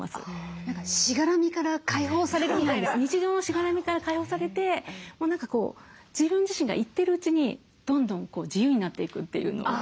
日常のしがらみから解放されてもう何か自分自身が行ってるうちにどんどん自由になっていくというのを。